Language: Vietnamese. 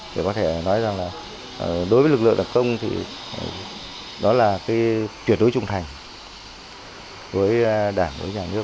đối với lực lượng đặc công thì đó là tuyệt đối trung thành với đảng với nhà nước